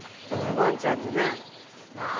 ワンちゃんがね。